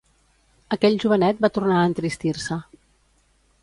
Aquell jovenet va tornar a entristir-se.